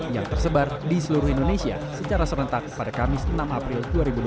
yang tersebar di seluruh indonesia secara serentak pada kamis enam april dua ribu dua puluh